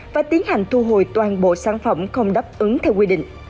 và tiến hành thu hồi toàn bộ sản phẩm không đáp ứng theo quy định